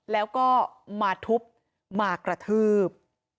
แล้วก็มาทุบมากระทืบ